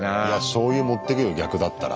しょうゆ持ってくよ逆だったら。